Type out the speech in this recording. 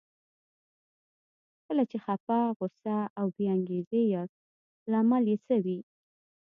کله چې خپه، غوسه او بې انګېزې ياست لامل يې څه وي؟